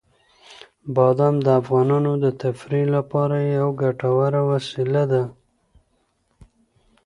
بادام د افغانانو د تفریح لپاره یوه ګټوره وسیله ده.